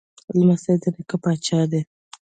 لمسی د نیکه پاچا دی.